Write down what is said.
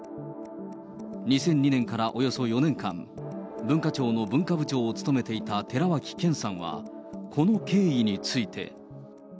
２００２年からおよそ４年間、文化庁の文化部長を務めていた寺脇研さんは、この経緯について。